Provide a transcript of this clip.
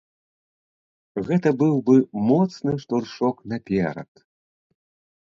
Гэта быў бы моцны штуршок наперад.